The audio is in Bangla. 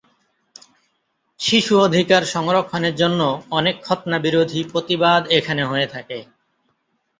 শিশু-অধিকার সংরক্ষনের জন্য অনেক খৎনা বিরোধী প্রতিবাদ এখানে হয়ে থাকে।